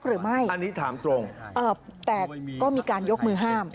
หรือไม่แต่มีการยกมือห้าม